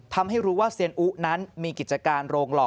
ทำให้รู้ว่าเซียนอุนั้นมีกิจการโรงหล่อ